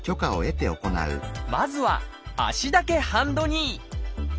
まずは「足だけハンドニー」